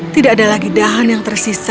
tidak ada lagi dahan yang tersisa